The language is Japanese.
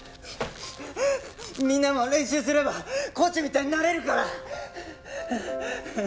みんなも練習すればコーチみたいになれるから！